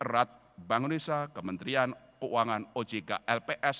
erat bank indonesia kementerian keuangan ojk lps